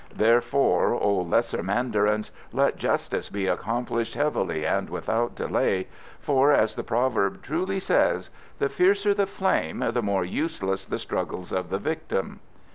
Therefore, O lesser mandarins, let justice be accomplished heavily and without delay; for, as the proverb truly says, 'The fiercer the flame the more useless the struggles of the victim.